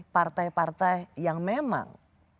partai partai yang memang